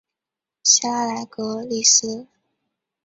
希拉莱格利斯。